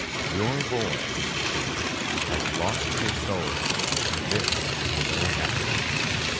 "Your boy," he said, "has lost his soul, and this is the way it happened.